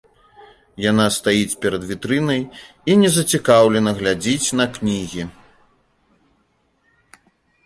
Яна стаіць перад вітрынай і незацікаўлена глядзіць на кнігі.